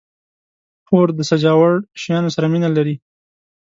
خور د سجاوړ شیانو سره مینه لري.